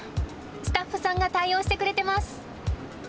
スタッフさんが対応してくれてます。